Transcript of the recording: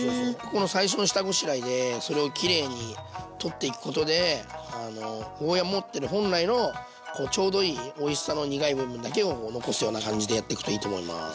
ここの最初の下ごしらえでそれをきれいに取っていくことでゴーヤー持ってる本来のちょうどいいおいしさの苦い部分だけを残すような感じでやっていくといいと思います。